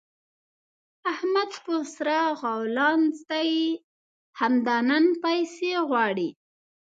احمد په سره غولانځ دی؛ همدا نن پيسې غواړي.